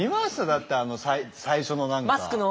だって最初の何か。